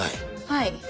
はい。